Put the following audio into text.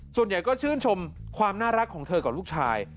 ส่วนใหญ่ก็ชื่นชมความน่ารักของเธอกับลูกชาย